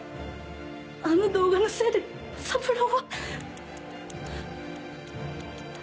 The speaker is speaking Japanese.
あの動画のせいで三郎は。